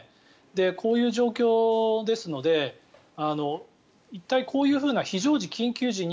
こういう状況ですので一体こういうふうな非常時、緊急時に